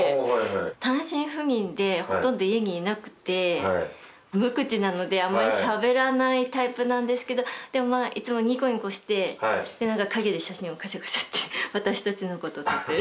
単身赴任でほとんど家にいなくて無口なのであんまりしゃべらないタイプなんですけどでもいつもニコニコして何か陰で写真をカシャカシャって私たちのことを撮ってる。